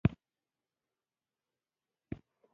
مینه د انساني ژوند د بقاء سرچینه ده!